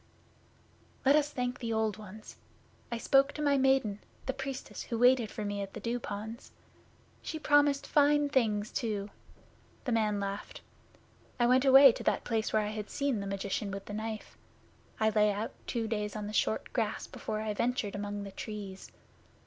'Let us thank the Old Ones! I spoke to my Maiden, the Priestess who waited for me at the Dew ponds. She promised fine things too.' The man laughed. 'I went away to that place where I had seen the magician with the knife. I lay out two days on the short grass before I ventured among the Trees.